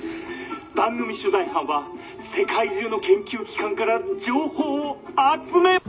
「番組取材班は世界中の研究機関から情報を集め」。